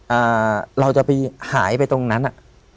เออเราจะผ่ายไปตรงนั้นอะ